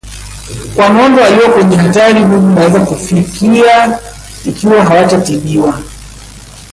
Kwa ng'ombe walio kwenye hatari vifo vinaweza kufika ikiwa hawatatibiwa